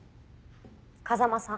風真さん